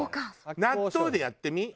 納豆でやってみ？